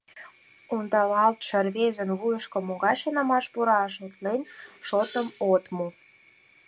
Ондалалтше рвезын вуйышко могай шонымаш пура, шотлен шотым от му.